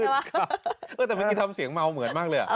เออแต่เมื่อที่เขาทำเสียงเมาเหมือนมากเลยอ่ะ